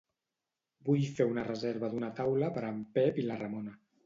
Vull fer la reserva d'una taula per a en Pep i la Ramona.